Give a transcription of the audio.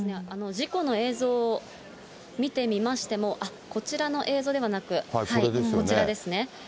事故の映像を見てみましても、こちらの映像ではなく、こちらですね。